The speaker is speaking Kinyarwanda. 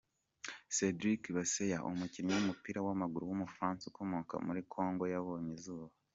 Cédric Baseya, umukinnyi w’umupira w’amaguru w’umufaransa ukomoka muri Kongo yabonye izuba.